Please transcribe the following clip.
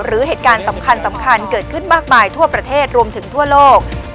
หรือเหตุการณ์สำคัญเกิดขึ้นมากมายทั่วประเทศรวมถึงทั่วโลก